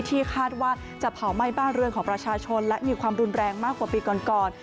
ที่คาดว่าจะเผาไหม้บ้านเรือนของประชาชนและมีความรุนแรงมากกว่าปีก่อน